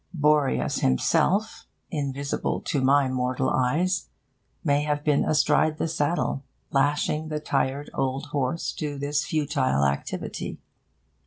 Boreas himself, invisible to my mortal eyes, may have been astride the saddle, lashing the tired old horse to this futile activity.